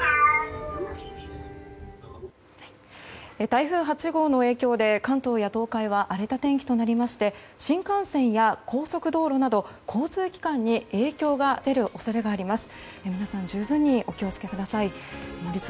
台風８号の影響で関東や東海は荒れた天気となりまして新幹線や高速道路など交通機関に影響が出る恐れがあります。